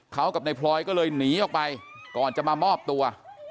เขากับนายพลอยก็เลยหนีออกไปก่อนจะมามอบตัว